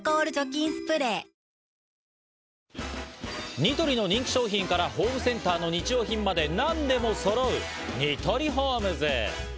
ニトリの人気商品からホームセンターの日用品まで何でもそろうニトリホームズ。